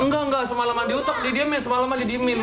enggak enggak semalaman diutek didiamnya semalaman didiemin